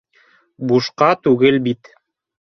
Бушҡа түгел бит